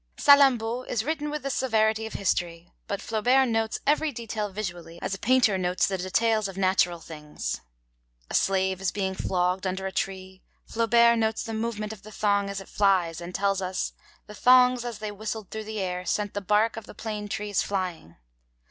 Salammbô is written with the severity of history, but Flaubert notes every detail visually, as a painter notes the details of natural things. A slave is being flogged under a tree: Flaubert notes the movement of the thong as it flies, and tells us: 'The thongs, as they whistled through the air, sent the bark of the plane trees flying.'